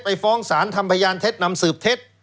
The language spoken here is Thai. ฟ้องสารทำพยานเท็จนำสืบเท็จ